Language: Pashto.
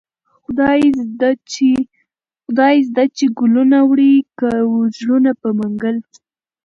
خداى زده چې گلونه وړې كه زړونه په منگل